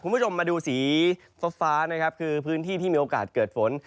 คุณผู้ชมมาดูสีฟ้านะครับคือพื้นที่ที่มีโอกาสเกิดฝน